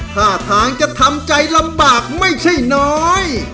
ท่าทางจะทำใจลำบากไม่ใช่น้อย